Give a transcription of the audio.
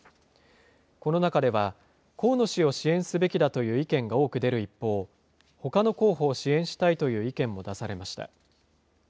この中では、河野氏を支援すべきだという意見が多く出る一方、ほかの候補を支援したいという意見も出されました。